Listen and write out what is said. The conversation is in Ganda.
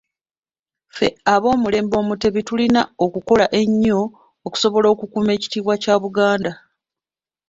Ffe ab’omulembe Omutebi tulina okukola ennyo okusobola okukuuma ekitiibwa kya Buganda.